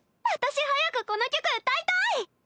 私早くこの曲歌いたい。